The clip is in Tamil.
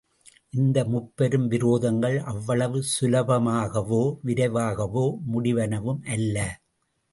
இந்த முப்பெரும் விரோதங்கள் அவ்வளவு சுலபமாகவோ, விரைவாகவோ முடிவனவும் அல்ல.